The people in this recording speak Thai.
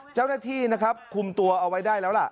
เจ้าหน้าที่นะครับคุมตัวเอาไว้ได้แล้วล่ะ